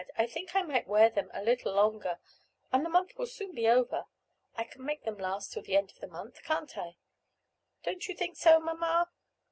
I think I might wear them a little longer, and the month will soon be over. I can make them last till the end of the month, can't I? Don't you think so, mamma?"